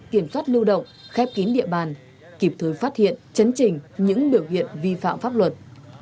kiểm soát lưu động khép kín địa bàn kịp thời phát hiện chấn trình những biểu hiện vi phạm pháp luật